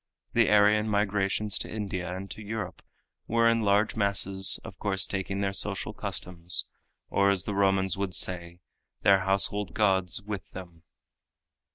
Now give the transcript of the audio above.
The Aryan migrations to India and to Europe were in large masses, of course taking their social customs, or as the Romans would say, their household gods, with them.